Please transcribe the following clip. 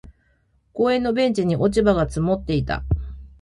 公園のベンチに落ち葉が積もっていた。